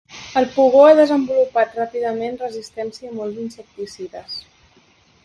El pugó ha desenvolupat ràpidament resistència a molts insecticides.